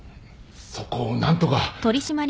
そこを何とか！